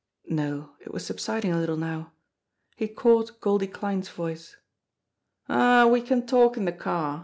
No it was subsiding a little now. He caught Goldie Kline's voice : "Aw, we can talk in de car.